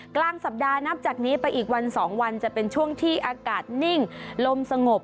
กลางสัปดาห์นับจากนี้ไปอีกวัน๒วันจะเป็นช่วงที่อากาศนิ่งลมสงบ